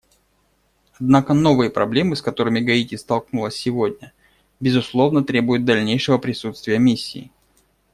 Однако новые проблемы, с которыми Гаити столкнулась сегодня, безусловно, требуют дальнейшего присутствия Миссии.